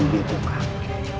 ketika berada di dalam kegelapan